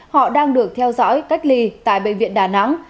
họ đang được theo dõi cách ly tại bệnh viện đà nẵng